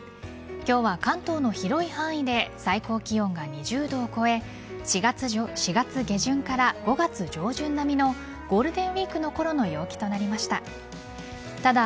今日は関東の広い範囲で最高気温が２０度を超え４月下旬から５月上旬並みのゴールデンウイークのころの陽気となりました。